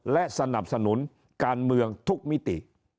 และสนับสนุนการเมืองทุกมิติ